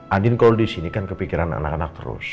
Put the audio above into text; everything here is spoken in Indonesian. andin kalau di sini kan kepikiran anak anak terus